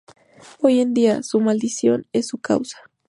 Hoy en día, su "maldición" es su causa.